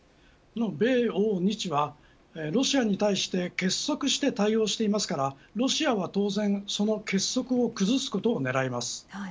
米、欧、日はロシアに対して結束して対応していますからロシアは当然その結束を崩すことを狙います。